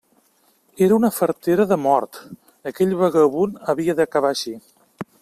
Era una fartera de mort: aquell vagabund havia d'acabar així.